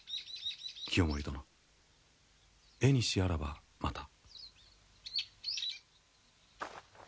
清盛殿えにしあらばまた。